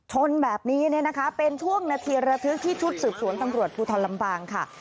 ชนแบบนี้เนี่ยนะคะเป็นช่วงนาทีระทึกที่ชุดสืบสวนตำรวจภูทรลำปางค่ะ